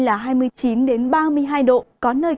tập trung vào chiều và tối